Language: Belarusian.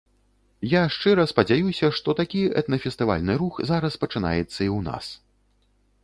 Я шчыра спадзяюся, што такі этна-фестывальны рух зараз пачынаецца і ў нас.